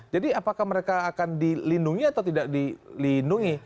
jadi apakah mereka akan dilindungi atau tidak dilindungi